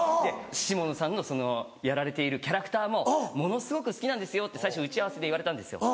「下野さんのやられているキャラクターもものすごく好きなんですよ」って最初打ち合わせで言われたんですよ。